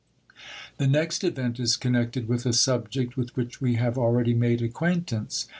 The next event is connected with a subject with which we have already made acquaintance.